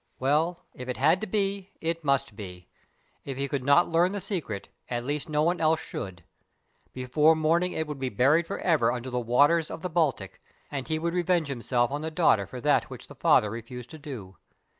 Well, if it had to be, it must be. If he could not learn the secret, at least no one else should. Before morning it would be buried for ever under the waters of the Baltic, and he would revenge himself on the daughter for that which the father refused to do.